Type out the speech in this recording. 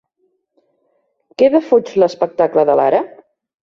Què defuig l'espectacle de Lara?